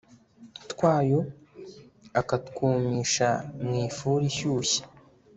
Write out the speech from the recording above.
twayo akatwumisha mu ifuru ishyushye